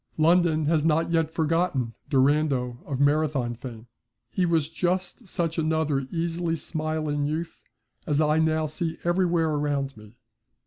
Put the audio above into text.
London has not yet forgotten Durando of Marathon fame. He was just such another easy smiling youth as I now see everywhere around me.